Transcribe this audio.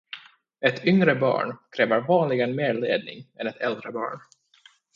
Ett yngre barn kräver vanligen mer ledning än ett äldre barn.